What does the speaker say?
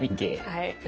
はい。